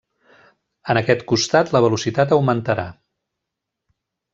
En aquest costat la velocitat augmentarà.